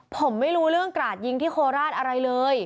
ผมไม่รู้เรื่องกราดยิงที่โคราชอะไรเลย